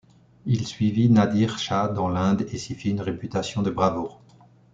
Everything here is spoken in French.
Il suivit Nâdir Shâh dans l'Inde et s'y fit une réputation de bravoure.